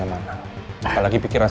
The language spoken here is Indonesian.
kalau pikiran saya kemana mana